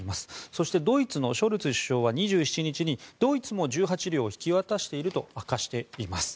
そしてドイツのショルツ首相は２７日にドイツも１８両引き渡していると明かしています。